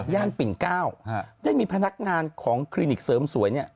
ย่านปิ่น๙ได้มีพนักงานของคลินิกเสริมสวยเนี่ย